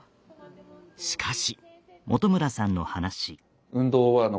しかし。